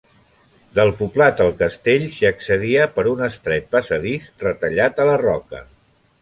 Del poblat al castell, s'hi accedia per un estret passadís retallat a la roca.